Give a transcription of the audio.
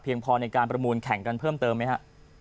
พอในการประมูลแข่งกันเพิ่มเติมไหมฮะ